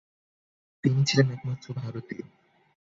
তিনি ছিলেন একমাত্র ভারতীয়।